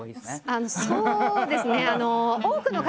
ああそうですね！